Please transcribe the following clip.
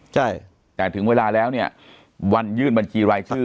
ใช่แต่ถึงเวลาแล้วเนี่ยวันยื่นบัญชีรายชื่อ